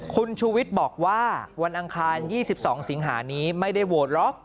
คุณชูวิทย์บอกว่าวันอังคาร๒๒สิงหานี้ไม่ได้โหวตหรอก